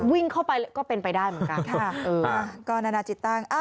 วิ่งเข้าก็เป็นไปก็ได้